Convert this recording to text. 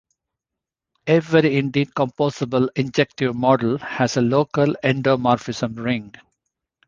Every indecomposable injective module has a local endomorphism ring.